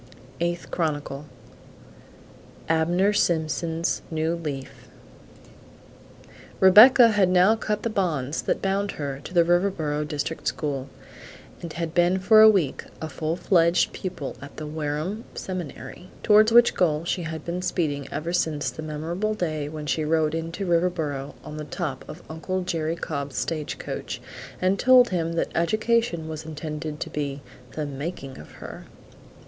Eighth Chronicle. ABNER SIMPSON'S NEW LEAF Rebecca had now cut the bonds that bound her to the Riverboro district school, and had been for a week a full fledged pupil at the Wareham Seminary, towards which goal she had been speeding ever since the memorable day when she rode into Riverboro on the top of Uncle Jerry Cobb's stagecoach, and told him that education was intended to be "the making of her."